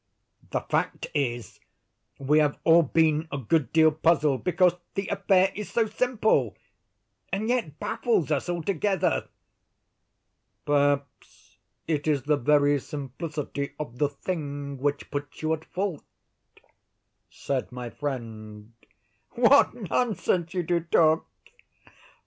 The fact is, we have all been a good deal puzzled because the affair is so simple, and yet baffles us altogether." "Perhaps it is the very simplicity of the thing which puts you at fault," said my friend. "What nonsense you do talk!"